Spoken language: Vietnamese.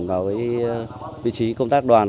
vào vị trí công tác đoàn